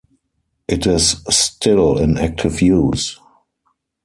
It is still in active use.